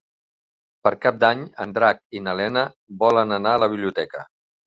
Per Cap d'Any en Drac i na Lena volen anar a la biblioteca.